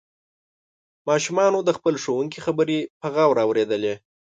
ماشومانو د خپل ښوونکي خبرې په غور اوریدلې.